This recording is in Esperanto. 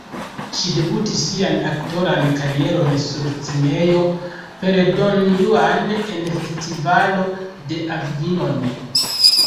Ŝi debutis sian aktoran karieron sur scenejo, per "Don Juan" en Festivalo de Avignon.